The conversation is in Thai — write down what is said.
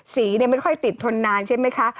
สีเนี่ยไม่ค่อยติดทนนานใช่ไหมคะ